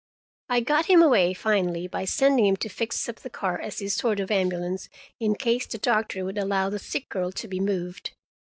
I got him away finally, by sending him to fix up the car as a sort of ambulance, in case the doctor would allow the sick girl to be moved.